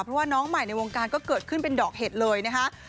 เพราะว่าน้องใหม่ในวงการก็เกิดขึ้นเป็นดอกเห็ดเลยนะคะ